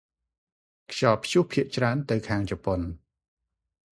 ខ្យល់ព្យុះភាគច្រើនទៅខាងជប៉ុន ។